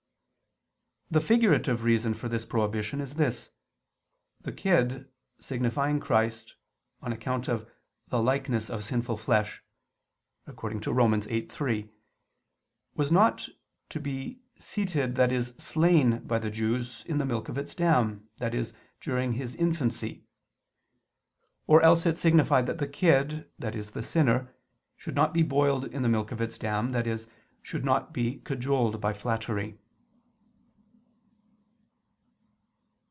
The figurative reason for this prohibition is this: the kid, signifying Christ, on account of "the likeness of sinful flesh" (Rom. 8:3), was not to be seethed, i.e. slain, by the Jews, "in the milk of its dam," i.e. during His infancy. Or else it signifies that the kid, i.e. the sinner, should not be boiled in the milk of its dam, i.e. should not be cajoled by flattery.